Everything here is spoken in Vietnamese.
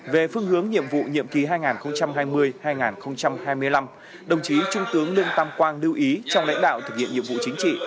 về phương hướng nhiệm vụ nhiệm kỳ hai nghìn hai mươi hai nghìn hai mươi năm đồng chí trung tướng lương tam quang lưu ý trong lãnh đạo thực hiện nhiệm vụ chính trị